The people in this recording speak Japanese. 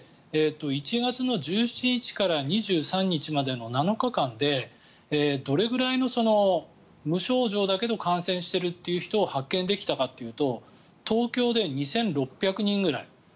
１月１７日から２３日までの７日間でどれぐらいの無症状だけど感染しているという人を発見できたかというと東京で２６００人ぐらい。